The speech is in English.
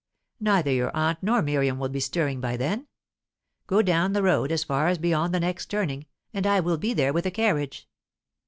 Neither your aunt nor Miriam will be stirring by then. Go down the road as far as beyond the next turning, and I will be there with a carriage.